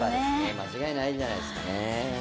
間違いないんじゃないですかね。